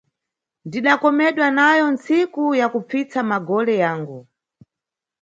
Ndidakomedwa nayo ntsiku ya kupfitsa magole yangu.